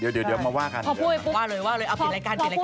ว่าเลยเอาเปลี่ยนรายการเปลี่ยนรายการ